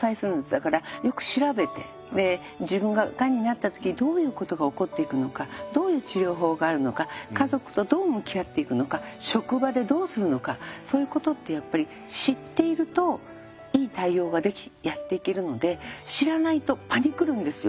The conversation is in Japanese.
だからよく調べてで自分ががんになった時にどういうことが起こっていくのかどういう治療法があるのか家族とどう向き合っていくのか職場でどうするのかそういうことってやっぱり知っているといい対応ができやっていけるので知らないとパニクるんですよ。